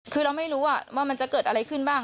คือเราไม่รู้ว่ามันจะเกิดอะไรขึ้นบ้าง